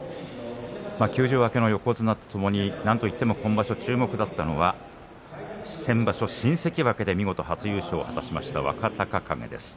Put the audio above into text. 休場明けの横綱とともになんといっても今場所注目だったのは先場所、新関脇で見事初優勝を果たしました若隆景です。